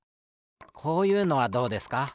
こういうのはどうですか？